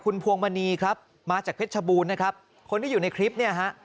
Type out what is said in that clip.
คุณพวงมณีครับมาจากเพชรชบูรณ์นะครับคนที่อยู่ในคลิปเนี่ยฮะ